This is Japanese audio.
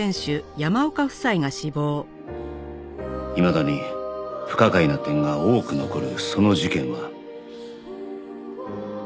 未だに不可解な点が多く残るその事件は